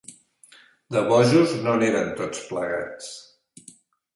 De bojos no n'eren tots plegats.